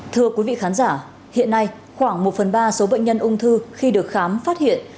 thưa quý vị khán giả hiện nay khoảng một phần ba số bệnh nhân ung thư khi được khám phát hiện